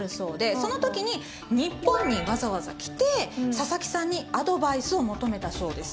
その時に日本にわざわざ来て佐々木さんにアドバイスを求めたそうです。